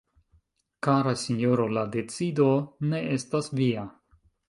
Kara Sinjoro, la decido ne estas via.